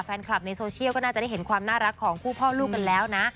แฟนคลับในโซเชียลก็น่าจะได้เห็นความน่ารักของคู่พ่อลูกกันแล้วนะ